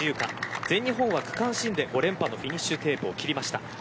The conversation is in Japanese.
全日本は区間新で５連覇のフィニッシュテープを切りました。